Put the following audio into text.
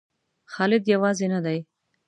خالد یوازې نه دی.